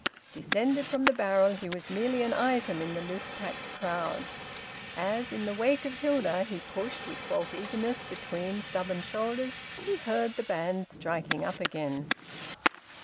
Descended from the barrel, he was merely an item in the loose packed crowd. As, in the wake of Hilda, he pushed with false eagerness between stubborn shoulders, he heard the bands striking up again.